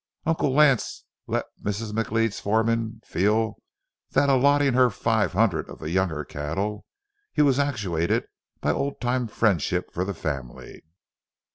Uncle Lance let Mrs. McLeod's foreman feel that in allotting her five hundred of the younger cattle, he was actuated by old time friendship for the family.